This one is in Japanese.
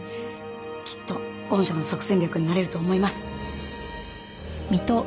きっと御社の即戦力になれると思います。